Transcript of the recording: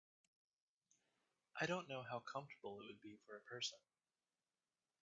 I don’t know how comfortable it would be for a person.